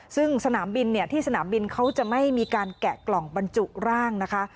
ซึ่งสนามบินเนี่ยที่สนามบินเขาจะไม่มีการแกะกล่องบรรจุร่างนะคะ